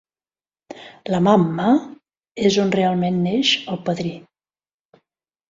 "La Mamma" és on realment neix "El padrí".